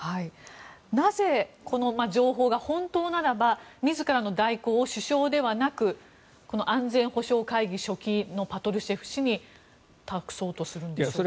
なぜ、この情報が本当ならば自らの代行を首相ではなくこの安全保障会議書記のパトルシェフ氏に託そうとするんでしょうか？